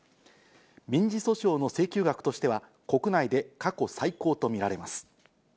民事訴訟の請求額としては国内で過去最高と見られます。